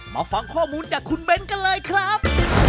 มาฟังข้อมูลจากคุณเบ้นกันเลยครับ